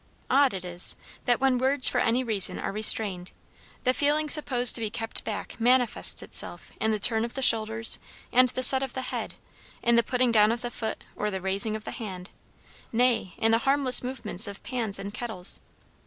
Odd it is, that when words for any reason are restrained, the feeling supposed to be kept back manifests itself in the turn of the shoulders and the set of the head, in the putting down of the foot or the raising of the hand, nay, in the harmless movements of pans and kettles.